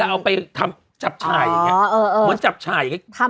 เอาไปทำจับฉ่ายอย่างนี้เหมือนจับฉ่ายอย่างนี้